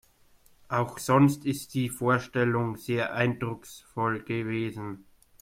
Auch sonst ist die Vorstellung sehr eindrucksvoll gewesen.